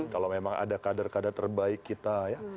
kalau memang ada kadar kadar terbaik kita ya